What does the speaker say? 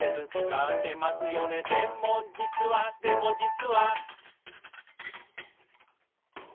「でもじつはでもじつは」